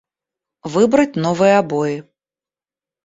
Выбрать новые обои